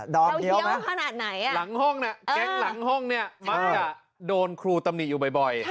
ดอมเยอะไหมครับหลังห้องน่ะแก๊งหลังห้องนี่มักจะโดนครูตำนีอยู่บ่อย